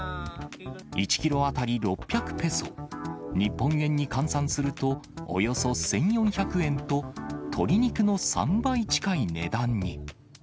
１キロ当たり６００ペソ、日本円に換算すると、およそ１４００円と、鶏肉の３倍近い値段に。